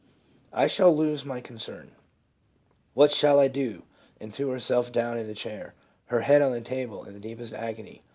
I shall lose my concern. What shall I do?' and threw herself down in a chair, her head on the table in the deepest agony.